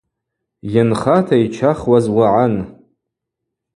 Йынхата йчахуаз уагӏан.